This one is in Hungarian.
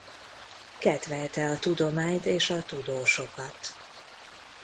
Kedvelte a tudományt és a tudósokat.